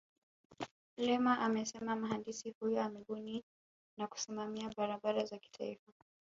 Lema amesema mhandisi huyo amebuni na kusimamia barabara za kitaifa